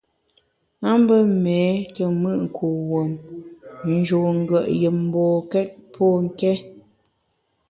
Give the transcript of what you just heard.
A mbe méé te mùt kuwuom, n’ njun ngùet yùm mbokét pô nké.